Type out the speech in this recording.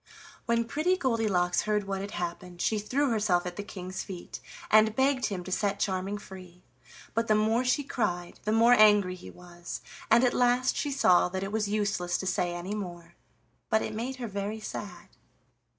When Pretty Goldilocks heard what had happened she threw herself at the King's feet and begged him to set Charming free, but the more she cried, the more angry he was, and at last she saw that it was useless to say any more; but it made her very sad.